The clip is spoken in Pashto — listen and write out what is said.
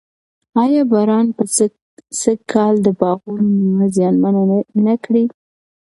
آیا باران به سږ کال د باغونو مېوه زیانمنه نه کړي؟